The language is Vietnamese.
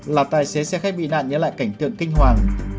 là tài xế xe khách bị nạn nhớ lại cảnh tượng kinh hoàng